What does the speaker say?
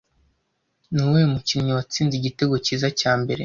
Ni uwuhe mukinnyi watsinze igitego cyiza cyambere